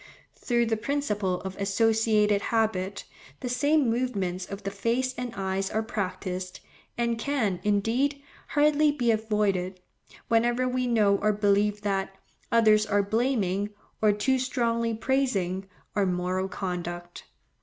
Through the principle of associated habit, the same movements of the face and eyes are practised, and can, indeed, hardly be avoided, whenever we know or believe that, others are blaming, or too strongly praising, our moral conduct.